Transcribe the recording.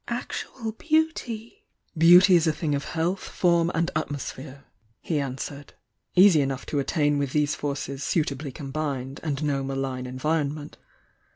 "Actual beauty " "Beauty is a thing of health, form and atmos phere," he answered. "Easy enough to attain with these forces suitably combined, and no malign en vironment.